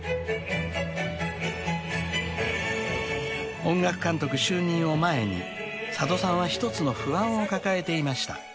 ［音楽監督就任を前に佐渡さんは一つの不安を抱えていました］